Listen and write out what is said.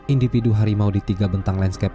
individu harimau di tiga bentang landscape